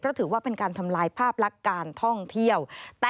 เพราะถือว่าเป็นการทำลายภาพลักษณ์การท่องเที่ยว